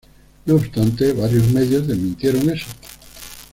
No obstante, varios medios desmintieron eso.